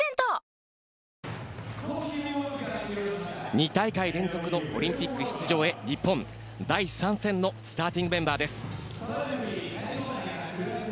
２大会連続のオリンピック出場へ日本、第３戦のスターティングメンバーです。